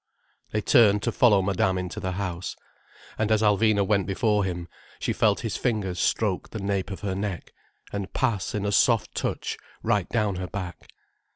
They turned to follow Madame into the house. And as Alvina went before him, she felt his fingers stroke the nape of her neck, and pass in a soft touch right down her back.